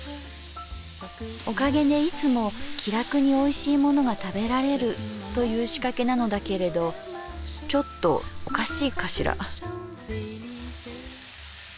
おかげでいつも気楽においしいものが食べられるという仕掛けなのだけれどちょっとおかしいかしら」。